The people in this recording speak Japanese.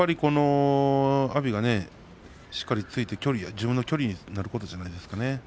阿炎がしっかり突いて自分の距離になることじゃないですかね。